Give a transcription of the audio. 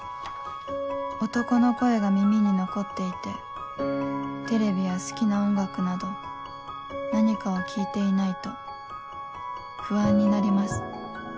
「男の声が耳に残っていてテレビや好きな音楽など何かを聞いていないと不安になります」